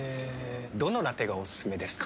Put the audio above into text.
どのラテがおすすめですか？